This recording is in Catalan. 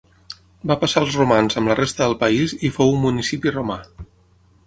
Va passar als romans amb la resta del país i fou un municipi romà.